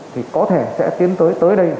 thì có thể sẽ tiến tới tới đây